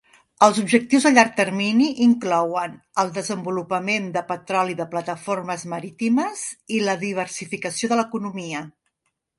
Els objectius a llarg termini inclouen el desenvolupament de petroli de plataformes marítimes i la diversificació de l'economia.